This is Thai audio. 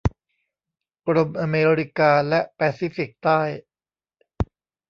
กรมอเมริกาและแปซิฟิกใต้